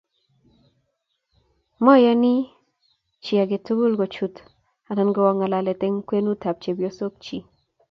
Moiyonchi chi age tugul kochut anan kowo ngalalet eng kwenutab chepyosok chi